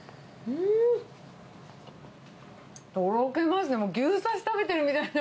うん、とろけますね。